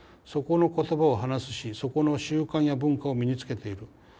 そこの言葉を話すしそこの習慣や文化を身につけている。